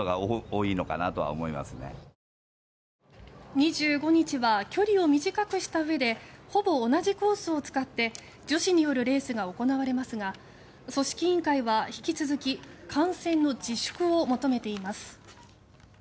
２５日は距離を短くしたうえでほぼ同じコースを使って女子によるレースが行われますが組織委員会は、引き続き観戦の自粛を求めています。